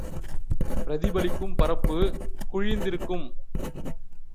பிரதிபலிக்கும் பரப்பு குழிந்திருக்கும்.